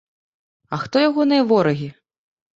А хто ягоныя ворагі?